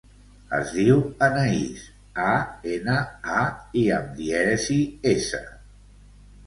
Es diu Anaïs: a, ena, a, i amb dièresi, essa.